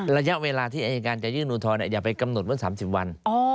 ระยะเวลาที่อายการจะยื่นอุทธรณ์อย่าไปกำหนดวัน๓๐วัน